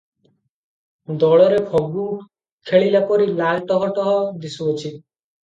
ଦୋଳରେ ଫଗୁ ଖେଳିଲାପରି ଲାଲ ଟହ ଟହ ଦିଶୁଅଛି ।